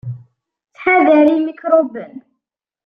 Ttḥadar imikṛuben!.